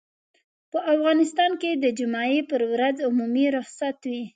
په افغانستان کې د جمعې پر ورځ عمومي رخصت وي.